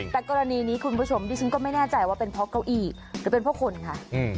แต่กรณีนี้คุณผู้ชมดิฉันก็ไม่แน่ใจว่าเป็นเพราะเก้าอี้หรือเป็นเพราะคนค่ะ